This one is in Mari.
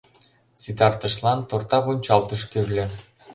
Ситартышлан тортавунчалтыш кӱрльӧ.